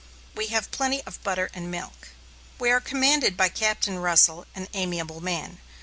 We have plenty of butter and milk. We are commanded by Captain Russell, an amiable man.